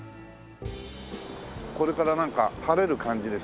これからなんか晴れる感じです。